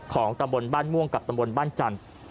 ตำบลบ้านม่วงกับตำบลบ้านจันทร์